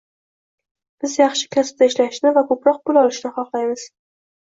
Biz yaxshi kasbda ishlashni va ko’proq pul topishni xohlaymiz